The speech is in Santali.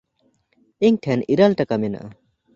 ᱤᱧ ᱴᱷᱮᱱ ᱤᱨᱟᱹᱞ ᱴᱟᱠᱟ ᱢᱮᱱᱟᱜᱼᱟ᱾